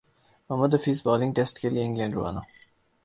محمد Hafeez bowling test کیلئے England روانہ